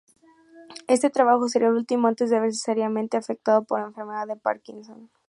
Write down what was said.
Este trabajo sería el último antes de verse seriamente afectado por enfermedad de Parkinson.